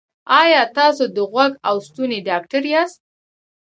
ایا تاسو د غوږ او ستوني ډاکټر یاست؟